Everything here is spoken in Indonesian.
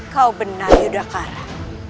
kau benar yudhakara